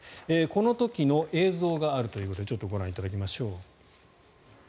この時の映像があるということでちょっとご覧いただきましょう。